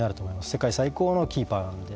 世界最高のキーパーなんで。